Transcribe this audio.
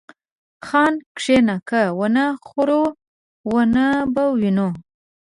خان! کښينه که ونه خورو و خو به وينو.